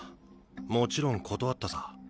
もちろん断ったさ。